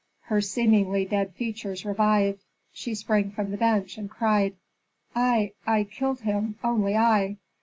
Her seemingly dead features revived. She sprang from the bench, and cried, "I I killed him only I."